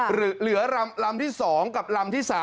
เหลือลำที่๒กับลำที่๓